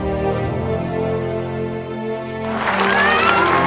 ขอบคุณทุกคน